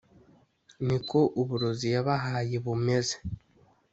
niko uburozi Yabahaye bumeze"